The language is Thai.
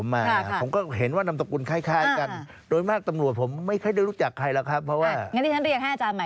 ไม่เคยเคยทำโทรศัพท์พบหน้า